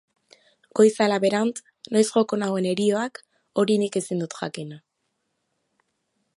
Goiz ala berant noiz joko nauen herioak, hori nik ezin jakin.